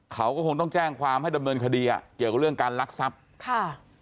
เขาก็คงต้องแจ้งความให้ดำเนินคดีอ่ะเกี่ยวกับเรื่องการลักทรัพย์ค่ะ